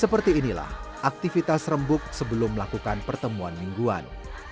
seperti inilah aktivitas rembuk sebelum melakukan pertemuan mingguan